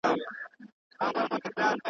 هره شېبه د انتظار پر تناره تېرېږي.